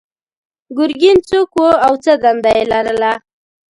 ګرګین څوک و او څه دنده یې لرله؟